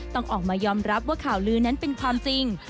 ต้องออกมายอมรับว่าข่าวลือนั้นเป็นความจริง